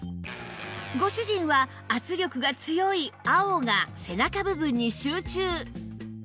ご主人は圧力が強い青が背中部分に集中